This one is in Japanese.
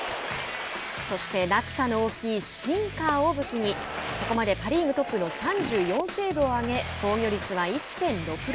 そして、落差の大きいシンカーを武器にここまでパ・リーグトップの３４セーブを挙げ防御率は１．６６。